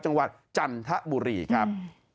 จังหวัดจันทบุรีครับ